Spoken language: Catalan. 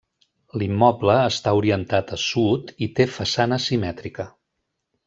L'immoble està orientat a sud i té façana simètrica.